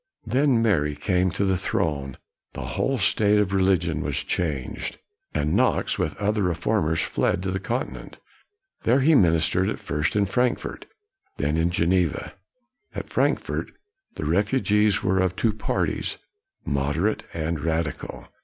Then Mary came to the throne, the whole state of religion was changed, and Knox, with other re formers, fled to the continent. There he ministered, at first in Frankfort, then in Geneva. At Frankfort, the refugees were of two parties, moderate and radical.